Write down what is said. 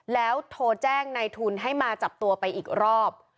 แล้วโทรแจ้งในทุนให้มาจับตัวไปอีกรอบ